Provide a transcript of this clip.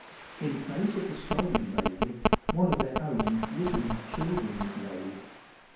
In place of the stolen baby, one of their own wizened children was laid.